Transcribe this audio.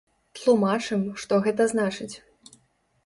Тлумачым, што гэта значыць.